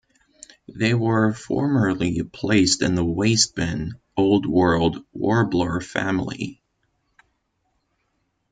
They were formerly placed in the "wastebin" Old World warbler family.